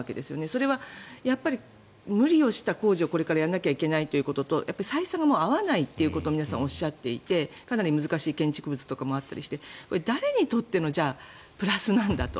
それは無理をした工事をこれからやらなきゃいけないということと採算が合わないということを皆さんおっしゃっていてかなり難しい建築物もあったりして誰にとってのプラスなんだと。